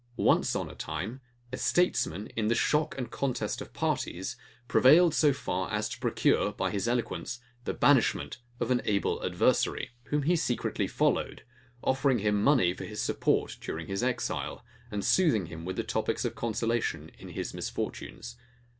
Once on a time, a statesman, in the shock and contest of parties, prevailed so far as to procure, by his eloquence, the banishment of an able adversary; whom he secretly followed, offering him money for his support during his exile, and soothing him with topics of consolation in his misfortunes.